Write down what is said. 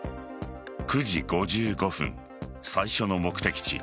９時５５分最初の目的地